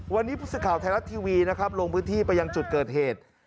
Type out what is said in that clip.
วันนี้ผู้สื่อข่าวไทยรัฐทีวีนะครับลงพื้นที่ไปยังจุดเกิดเหตุ